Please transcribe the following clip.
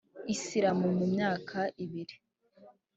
isilamu mu myaka ibiri,